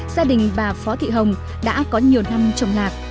gia đình bà phó thị hồng đã có nhiều năm trồng lạc